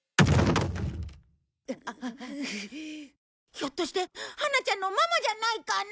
ひょっとしてハナちゃんのママじゃないかな？